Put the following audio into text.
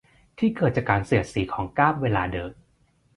ที่เกิดจากการเสียดสีของก้ามเวลาเดิน